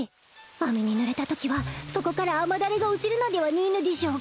雨にぬれたときはそこから雨だれが落ちるのではねえのでしょうか